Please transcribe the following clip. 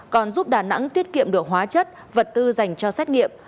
còn giúp đà nẵng tiết kiệm được hóa chất vật tư dành cho xét nghiệm